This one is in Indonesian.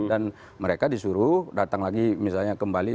dan mereka disuruh datang lagi misalnya kembali